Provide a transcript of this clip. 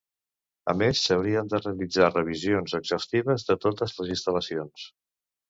A més, s'haurien de realitzar revisions exhaustives de totes les instal·lacions.